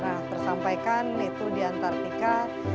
yang pernah tersampaikan yaitu di antarctica